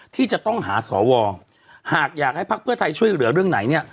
ที่จะต้องหาสวหากอยากให้ภักดิ์เพื่อไทยช่วยเหลือเรื่องไหนเนี่ย